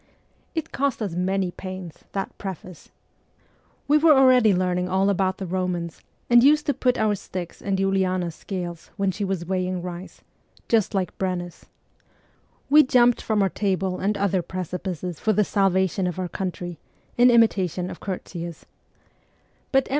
It cost us many pains, that preface ! We were already learning all about the Eomans, and used to put our sticks in Uliana's scales when she was weighing rice, ' just like Brennus ;' we jumped from our table and other precipices for the salvation of our country, in imitation of Curtius ; but M.